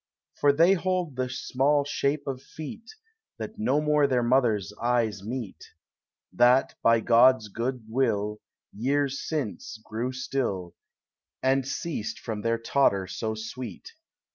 For they hold the small shape of feet That no more their mothers eyes meet, That, by God's good will, Years since, grew still, And ceased from their totter so sweet.